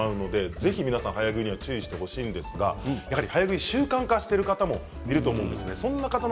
ぜひ皆さん早食いには注意をしてほしいんですが早食いが習慣化している人もいると思います。